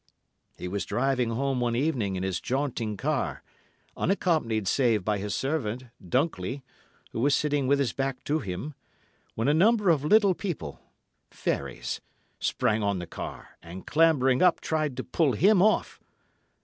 He was driving home one evening in his jaunting car, unaccompanied save by his servant, Dunkley, who was sitting with his back to him, when a number of little people—fairies—sprang on the car, and clambering up, tried to pull him off.